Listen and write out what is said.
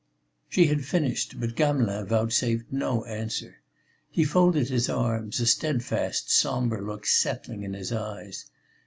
She had finished, but Gamelin vouchsafed no answer. He folded his arms, a steadfast, sombre look settling in his eyes.